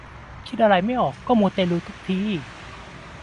คิดอะไรไม่ออกก็มูเตลูทุกที